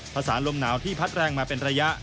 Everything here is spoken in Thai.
สารลมหนาวที่พัดแรงมาเป็นระยะ